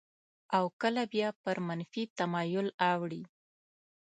او کله بیا پر منفي تمایل اوړي.